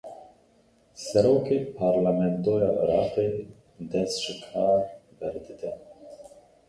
Serokê Parlamentoya Iraqê dest ji kar berdide.